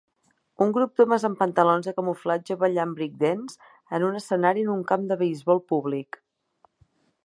Un grup d'homes amb pantalons de camuflatge ballant breakdance en un escenari en un camp de beisbol públic